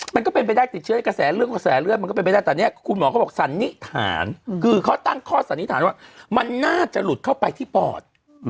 มันก็เป็นใบไหล่ติดเชื้อกระแสเรื่องมันก็เป็นไปด้วยแต่นี้คุณหมอเขาบอกสันนิถาญคือเขาตั้งคอสันนิถาญว่ามันน่าจะหลุดเข้าไปที่ปอด